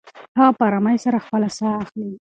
هغه په ارامۍ سره خپله ساه اخلې.